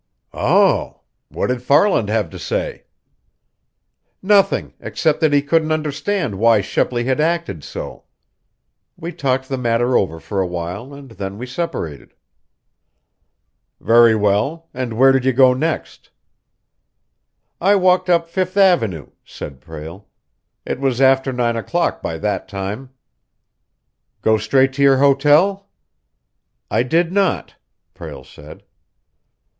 "Um! What did Farland have to say?" "Nothing, except that he couldn't understand why Shepley had acted so. We talked the matter over for a while and then we separated." "Very well. And where did you go next?" "I walked up Fifth Avenue," said Prale. "It was after nine o'clock by that time." "Go straight to your hotel?" "I did not," Prale said.